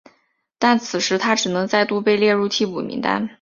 但此时他只能再度被列入替补名单。